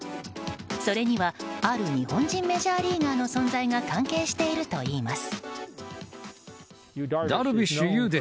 それにはある日本人メジャーリーガーの存在が関係しているといいます。